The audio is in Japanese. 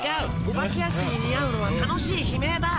お化け屋敷に似合うのは楽しい悲鳴だ。